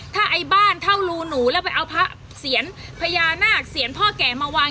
ถ้าไอ้บ้านเท่ารูหนูแล้วไปเอาพระเสียรพญานาคเสียงพ่อแก่มาวาง